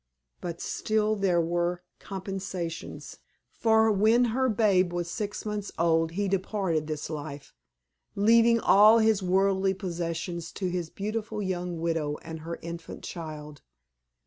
But still there were compensations, for when her babe was six months old he departed this life, leaving all his worldly possessions to his beautiful young widow and her infant child.